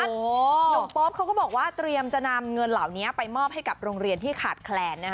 หนุ่มโป๊ปเขาก็บอกว่าเตรียมจะนำเงินเหล่านี้ไปมอบให้กับโรงเรียนที่ขาดแคลน